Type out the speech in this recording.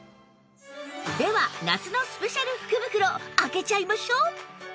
では夏のスペシャル福袋開けちゃいましょう！